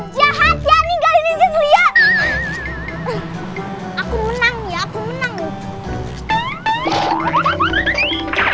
jahat ya nih aku menang ya aku menang